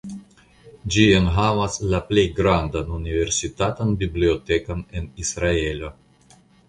Ĝi enhavas la plej grandan universitatan bibliotekon en Israelo.